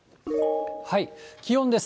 気温です。